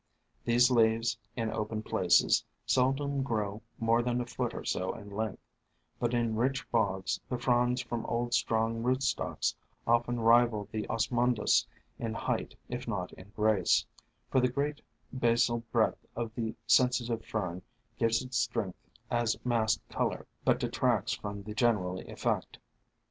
These leaves, in open places, seldom grow more than a foot or so in length, but in rich bogs the fronds from old strong rootstocks often rival the Osmundas in height if not in grace, for the great basal breadth of the Sensitive Fern gives it strength as massed color, but detracts from the general effect.